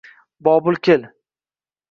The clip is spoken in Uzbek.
Bobil kel!